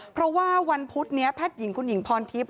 เพราะว่าวันพุธนี้แพทย์หญิงคุณหญิงพรทิพย